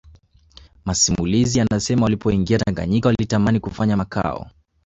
Masimulizi yanasema walipoingia Tanganyika walitamani kufanya makao